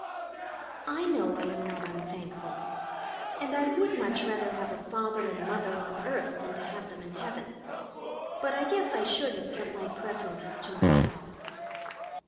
I know I am not unthankful, and I would much rather have a Father and Mother on earth than to have them in heaven, but I guess I should have kept my preferences to myself.